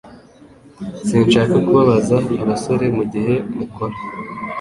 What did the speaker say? Sinshaka kubabaza abasore mugihe mukora